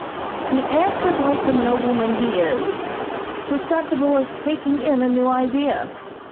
He answered like the nobleman he is; susceptible of taking in a new idea.